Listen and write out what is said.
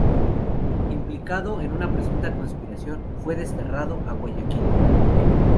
Implicado en una presunta conspiración, fue desterrado a Guayaquil.